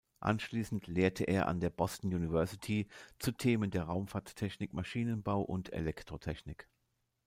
Anschließend lehrte er an der Boston University zu Themen der Raumfahrttechnik, Maschinenbau und Elektrotechnik.